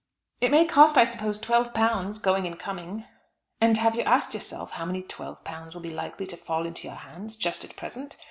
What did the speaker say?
"It may cost I suppose twelve pounds, going and coming." "And have you asked yourself how many twelve pounds will be likely to fall into your hands just at present?